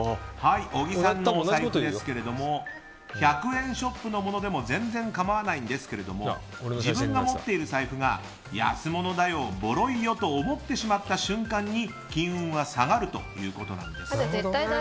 小木さんのお財布ですけれども１００円ショップのものでも全然構わないんですけれども自分が持っている財布が安物だよ、ぼろいよと思ってしまった瞬間に金運は下がるということなんです。